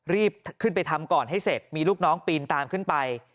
รีบขึ้นไปทำก่อนให้เสร็จมีลูกน้องปีนตามขึ้นไป